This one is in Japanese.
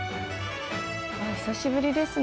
あ久しぶりですね。